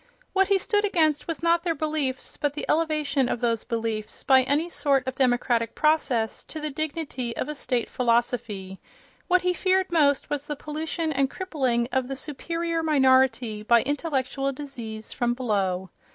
What he stood against was not their beliefs, but the elevation of those beliefs, by any sort of democratic process, to the dignity of a state philosophy—what he feared most was the pollution and crippling of the superior minority by intellectual disease from below.